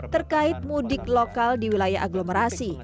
terkait mudik lokal di wilayah aglomerasi